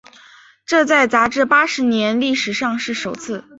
这在杂志八十年历史上是首次。